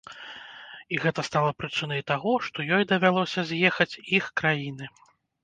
І гэта стала прычынай таго, што ёй давялося з'ехаць іх краіны.